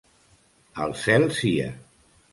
Al cel sia.